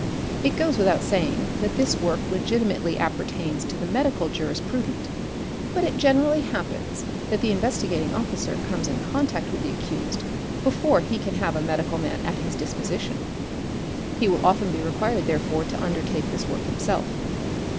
It goes without saying that this work legitimately appertains to the medical jurisprudent, but it generally happens that the — Investigating Officer comes in contact with the accused before he can have a medical man at his disposition; he will often be required therefore to undertake this work himself.